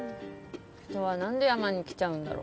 人は何で山に来ちゃうんだろう。